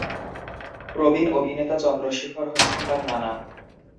প্রবীণ অভিনেতা চন্দ্রশেখর হচ্ছেন তার নানা।